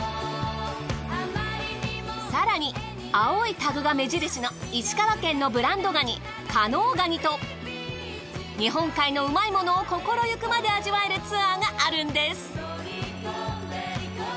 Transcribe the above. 更に青いタグが目印の石川県のブランドガニ加能ガニと日本海のうまいものを心ゆくまで味わえるツアーがあるんです。